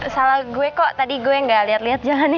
salah gue kok tadi gue gak liat liat jalannya